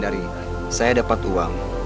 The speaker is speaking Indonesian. dari saya dapat uang